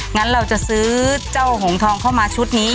งั้นเราจะซื้อเจ้าหงทองเข้ามาชุดนี้